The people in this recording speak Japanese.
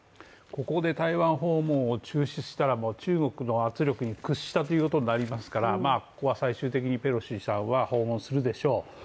ここで台湾訪問を中止したら、中国の圧力に屈したということになりますからここは最終的にペロシさんは訪問するでしょう。